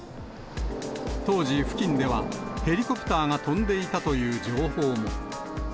当時、付近では、ヘリコプターが飛んでいたという情報も。